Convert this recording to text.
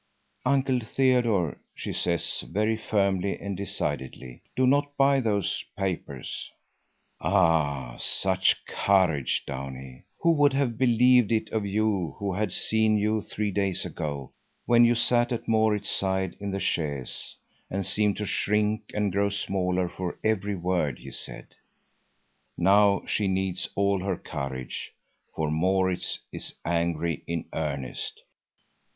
"Uncle Theodore," she says, very firmly and decidedly, "do not buy those papers!" Ah, such courage, Downie! Who would have believed it of you who had seen you three days ago, when you sat at Maurits's side in the chaise and seemed to shrink and grow smaller for every word he said. Now she needs all her courage, for Maurits is angry in earnest.